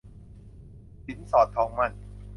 สินสอดทองหมั้น